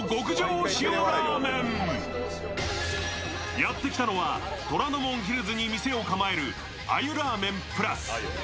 やってきたのは虎ノ門ヒルズに店を構える鮎ラーメン＋。